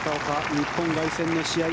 日本凱旋の試合